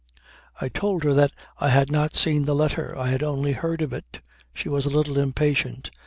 I told her that I had not seen the letter. I had only heard of it. She was a little impatient.